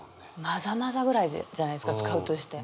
「まざまざ」ぐらいじゃないですか使うとして。